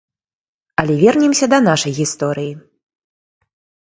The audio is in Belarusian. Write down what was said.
Але вернемся да нашай гісторыі.